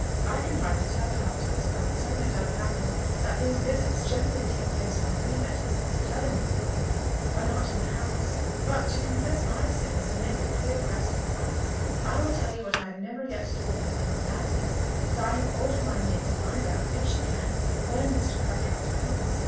I can hardly tell how it is, but it certainly does happen, that these visits generally take place when we that is, Helen and I are not in the house; but ... to confess my sins, and make a clear breast at once, I will tell you what I have never yet told Helen, and that is, that I have ordered my maid to find out, if she can, when Mr. Cartwright comes.